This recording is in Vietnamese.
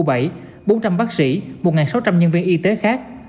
bốn trăm linh bác sĩ một sáu trăm linh nhân viên y tế khác